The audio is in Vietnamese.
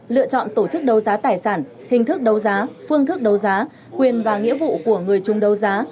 lựa chọn tổ chức đầu giá tài sản hình thức đầu giá phương thức đầu giá quyền và nghĩa vụ của người chung đầu giá